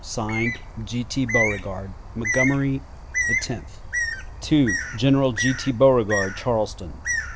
(Signed) "G. T. Beauregard." "Montgomery, 10th. "General G. T. Beauregard, Charleston.